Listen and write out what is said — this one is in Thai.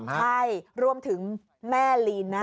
ใช่รวมถึงแม่ลีนนะ